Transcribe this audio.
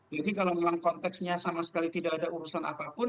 jadi kalau memang konteksnya sama sekali tidak ada urusan apapun